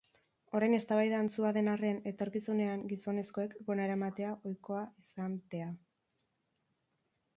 Orain eztabaida antzua den arren, etorkizunean gizonezkoek gona eramatea ohikoa izantea.